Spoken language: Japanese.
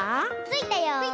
ついたよ！